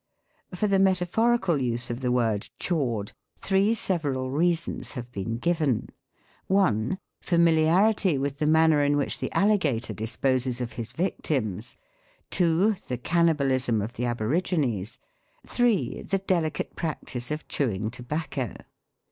For the metaphorical use of the word " chawed," three several reasons have been given: 1. Familiarity with the manner in which the alligator disposes of his vic tims. 2. The cannibalism of the Aborigines. 3. The delicate practice of chewing tobacco.